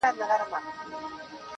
ته خوله لکه ملا ته چي زکار ورکوې